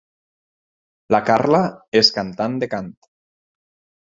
La Carla és cantant de cant.